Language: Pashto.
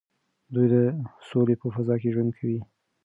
دوی د سولې په فضا کې ژوند کوي.